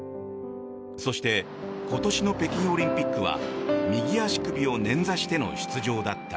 そして今年の北京オリンピックは右足首を捻挫しての出場だった。